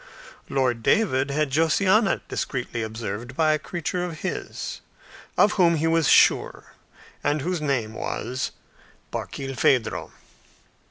Lord David had Josiana discreetly observed by a creature of his, of whom he was sure, and whose name was Barkilphedro.